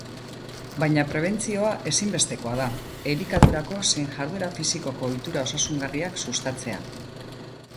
Baina prebentzioa ezinbestekoa da, elikadurako zein jarduera fisikoko ohitura osasungarriak sustatzea.